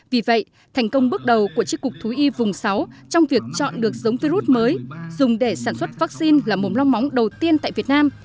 vì vậy thành công bước đầu của chiếc cục thú y vùng sáu trong việc chọn được giống virus mới dùng để sản xuất vaccine là mồm long móng đầu tiên tại việt nam